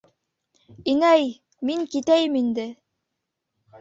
Инәй... мин китәйем инде...